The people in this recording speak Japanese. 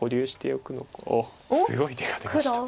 おっすごい手が出ました。